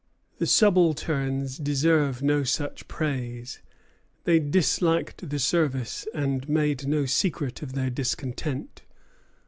The subalterns deserve no such praise. They disliked the service, and made no secret of their discontent.